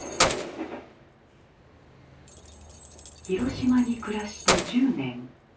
広島に暮らして１０年。